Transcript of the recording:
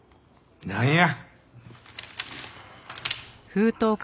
なんや？